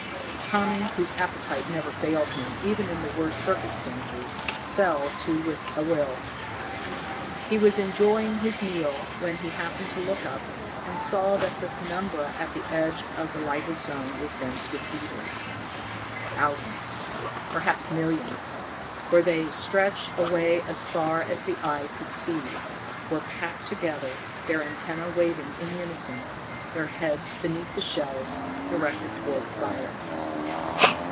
Tommy, whose appetite never failed him even in the worst circumstances, fell to with a will. He was enjoying his meal when he happened to look up, and saw that the penumbra at the edge of the lighted zone was dense with beetles. Thousands perhaps millions, for they stretched away as far as the eye could see, were packed together, their antenna waving in unison, their heads, beneath the shells, directed toward the fire.